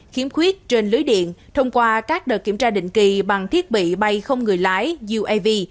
khiếm khuyết trên lưới điện thông qua các đợt kiểm tra định kỳ bằng thiết bị bay không người lái uav